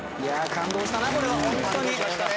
感動したなこれはホントに。